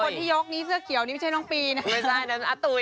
คนที่ยกนี่เสื้อเขียวนี่ไม่ใช่น้องปีนะ